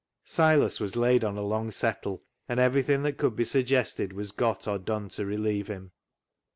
Silas was laid on a long settle, and everything that could be suggested was got or done to relieve him.